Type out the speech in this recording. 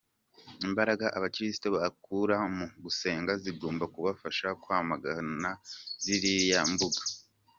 Imbaraga Abakirisito bakura mu gusenga zigomba kubafasha kwamagana ziriya mbuga.